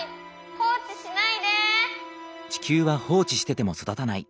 放置しないで。